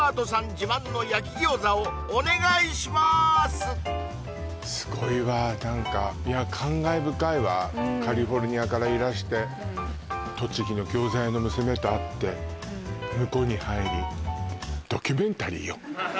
自慢の焼き餃子をお願いしまーすすごいわ何かいや感慨深いわカリフォルニアからいらして栃木の餃子屋の娘と会って婿に入りドキュメンタリーよ